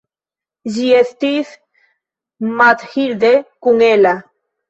Ĝi estis Mathilde kun Ella.